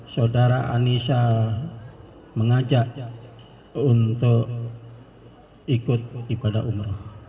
saudara anissa mengajak untuk ikut ibadah umroh